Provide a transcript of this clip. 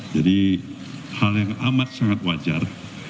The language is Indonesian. jadi hal yang amat sangat wajar